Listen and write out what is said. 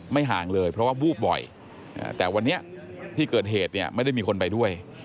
ห่างเลยเพราะว่าวูบบ่อยแต่วันนี้ที่เกิดเหตุเนี่ยไม่ได้มีคนไปด้วย